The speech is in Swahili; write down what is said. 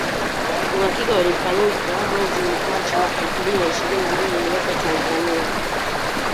Uhakiki ulifanyika mwezi Machi mwaka elfu mbili na ishirini na mbili uliiweka Tanzania